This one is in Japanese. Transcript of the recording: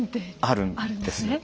あるんですね。